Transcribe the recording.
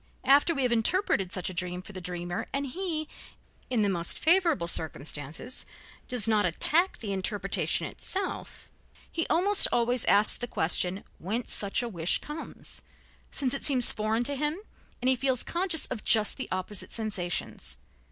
After we have interpreted such a dream for the dreamer and he, in the most favorable circumstances does not attack the interpretation itself, he almost always asks the question whence such a wish comes, since it seems foreign to him and he feels conscious of just the opposite sensations.